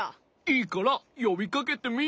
いいからよびかけてみ？